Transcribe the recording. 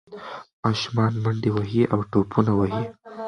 ماشومان منډې وهي او ټوپونه وهي.